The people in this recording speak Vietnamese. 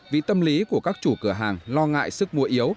vì tâm lý của các chủ cửa hàng lo ngại sức mua yếu